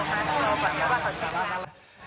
ดังนั้นคุณพ่อได้รับทั้ง๑๓ชีวิตกลับสู่อ้อมอก